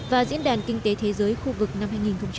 và diễn đàn kinh tế thế giới khu vực năm hai nghìn một mươi tám